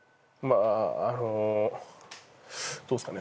あのどうっすかね